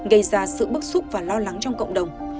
gây ra sự bức xúc và lo lắng trong cộng đồng